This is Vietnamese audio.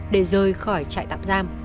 để rời khỏi trại tạm giam